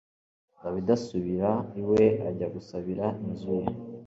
dawidi asubira iwe ajya gusabira inzu ye